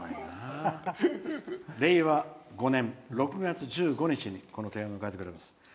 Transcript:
令和５年６月１５日にこの手紙を書いてます。